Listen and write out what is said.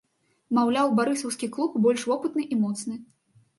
Маўляў, барысаўскі клуб больш вопытны і моцны.